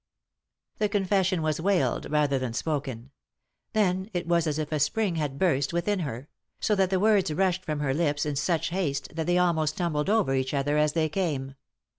The confession was wailed rather than spoken. Then it was as if a spring had burst within her ; so that words rushed from her lips in such haste that they almost tumbled over each other as they came.